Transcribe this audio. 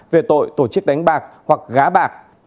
về tội tổ chức đánh bạc hoặc gá bạc